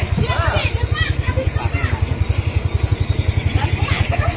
สวัสดีครับ